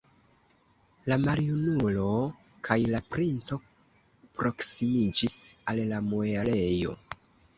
La maljunulo kaj la princo proksimiĝis al la muelejo.